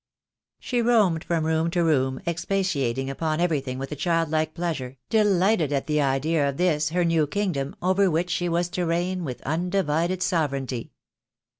She roamed from room to room, expatiating upon everything with a childlike pleasure, delighted at the idea of this her new kingdom, over which she was to reign with undivided sovereignty.